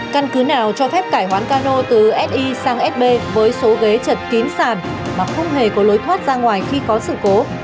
căn cứ nào cho phép cải hoán cano từ si sang sb với số ghế chật kín sàn mà không hề có lối thoát ra ngoài khi có sự cố